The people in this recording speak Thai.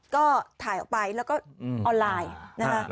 ก็ถ่ายออกไปแล้วก็ออนไลน์นะคะ